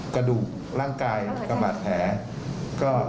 กระดูกร่างกายกับบาดแผล